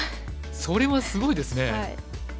それはすごいですね。